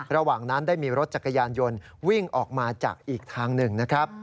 ระหว่างนั้นได้มีรถจักรยานยนต์วิ่งออกมาจากอีกทางหนึ่งนะครับ